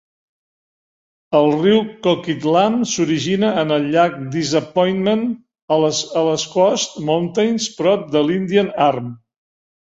El riu Coquitlam s'origina en el llac Disappointment a les Coast Mountains, prop de l'Indian Arm.